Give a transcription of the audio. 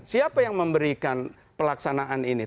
siapa yang memberikan pelaksanaan ini